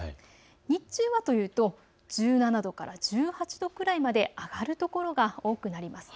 日中はというと１７度から１８度くらいまで上がる所が多くなります。